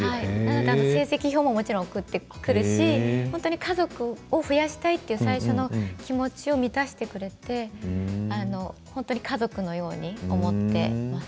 成績表も送ってくるし家族を増やしたいという私の気持ちを満たしてくれて本当に家族のように思っています。